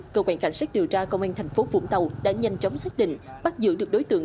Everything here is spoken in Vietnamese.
cơ quan cảnh sát điều tra công an thành phố vũng tàu đã nhanh chóng xác định bắt giữ được đối tượng